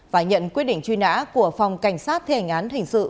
và nhận quyết định truy nã của phòng cảnh sát thể hành án hình sự